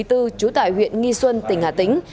trú tại huyện nghi xuân tỉnh hà tĩnh